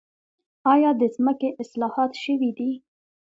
آیا د ځمکې اصلاحات شوي دي؟